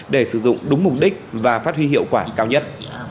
để sử dụng đúng mục đích và phát huy hiệu quả cao nhất